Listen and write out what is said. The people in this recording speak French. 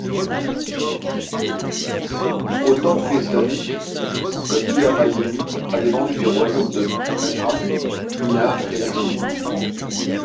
Aux temps préislamiques, La Tihama yéménite a dépendu des royaumes de Najran, d'Himyar, d'Aksoum.